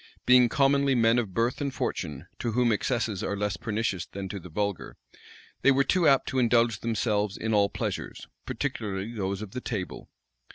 Being commonly men of birth and fortune, to whom excesses are less pernicious than to the vulgar, they were too apt to indulge themselves in all pleasures, particularly those of the table.